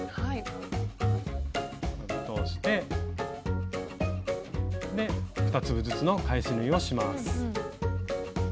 通してで２粒ずつの返し縫いをします。